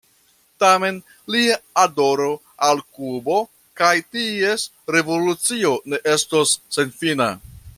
Tamen lia adoro al Kubo kaj ties revolucio ne estos senfina.